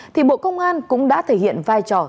thì bộ công an cũng đã thể hiện vai trò